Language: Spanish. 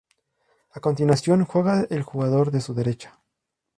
A continuación juega el jugador de su derecha.